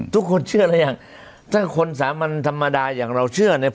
ทุกคนเชื่อหรือยังถ้าคนสามัญธรรมดาอย่างเราเชื่อเนี่ย